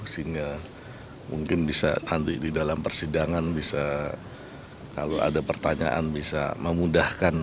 sehingga mungkin bisa nanti di dalam persidangan bisa kalau ada pertanyaan bisa memudahkan